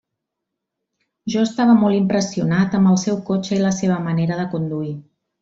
Jo estava molt impressionat amb el seu cotxe i la seva manera de conduir.